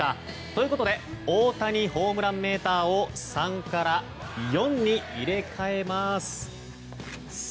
ということで大谷ホームランメーターを３から４に入れ替えます。